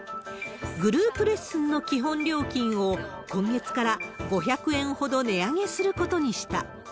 グループレッスンの基本料金を今月から５００円ほど値上げすることにした。